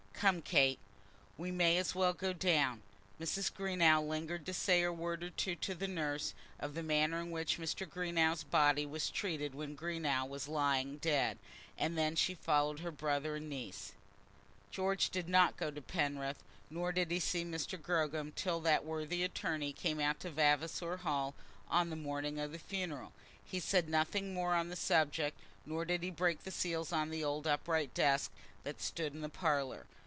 Come, Kate, we may as well go down." Mrs. Greenow lingered to say a word or two to the nurse, of the manner in which Greenow's body was treated when Greenow was lying dead, and then she followed her brother and niece. George did not go into Penrith, nor did he see Mr. Gogram till that worthy attorney came out to Vavasor Hall on the morning of the funeral. He said nothing more on the subject, nor did he break the seals on the old upright desk that stood in the parlour.